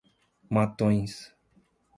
Matões